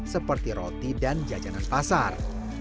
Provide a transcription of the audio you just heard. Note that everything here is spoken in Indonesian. seperti roti dan jajanan pasar